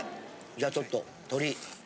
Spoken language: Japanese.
じゃあちょっと鶏。